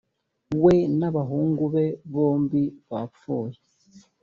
we n abahungu be bombi bapfuye